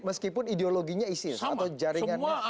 meskipun ideologinya isis atau jaringannya